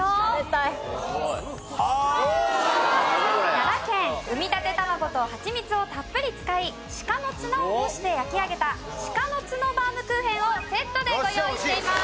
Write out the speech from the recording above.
奈良県産みたて卵とハチミツをたっぷり使い鹿の角を模して焼き上げた鹿の角バームクーヘンをセットでご用意しています。